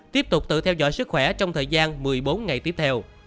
tiếp tục tự theo dõi sức khỏe trong thời gian một mươi bốn ngày tiếp theo